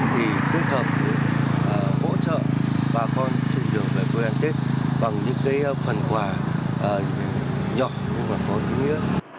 thì kết hợp hỗ trợ bà con trên đường về quê ăn tết bằng những phần quà nhỏ và có nghĩa